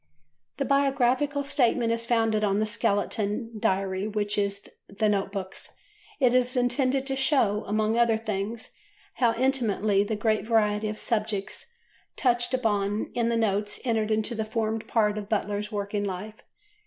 The Biographical Statement is founded on a skeleton Diary which is in the Note Books. It is intended to show, among other things, how intimately the great variety of subjects touched upon in the notes entered into and formed part of Butler's working life.